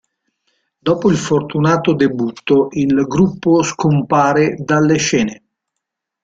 Dopo il fortunato debutto, il gruppo scompare dalle scene.